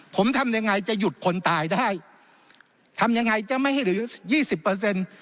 ผมทำยังไงจะหยุดคนตายได้ทำยังไงจะไม่ให้เหลือยี่สิบเปอร์เซ็นต์